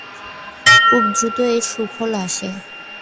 খুব দ্রুত এর সুফল আসে।